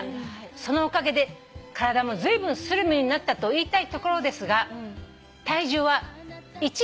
「そのおかげで体もずいぶんスリムになったと言いたいところですが体重は１ｇも減ってません」